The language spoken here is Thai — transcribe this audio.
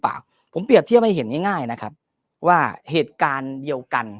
เปล่าผมเปรียบเทียบให้เห็นง่ายนะครับว่าเหตุการณ์เดียวกัน